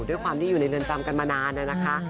ด้วยความที่อยู่ในเรือนจำกันมานานนะคะ